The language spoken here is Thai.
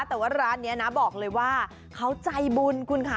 แต่ว่าร้านนี้นะบอกเลยว่าเขาใจบุญคุณค่ะ